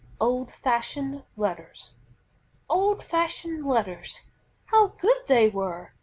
OLD FASHIONED LETTERS Old fashioned letters! How good they were!